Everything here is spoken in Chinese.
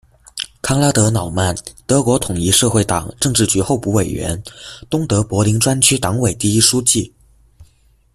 康拉德·瑙曼，德国统一社会党政治局候补委员，东德柏林专区党委第一书记。